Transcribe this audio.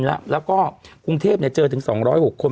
แล้วก็กรุงเทพเจอถึง๒๐๖คน